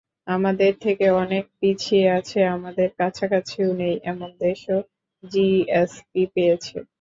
আমাদের থেকে অনেক পিছিয়ে আছে, আমাদের কাছাকাছিও নেই এমন দেশও জিএসপি পেয়েছে।